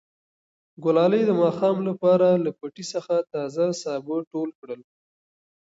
ګلالۍ د ماښام لپاره له پټي څخه تازه سابه ټول کړل.